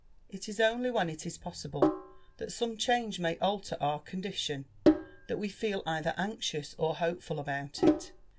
It is only when it is possible that some change may alter our condition that we feel either anxious or hopeful about it.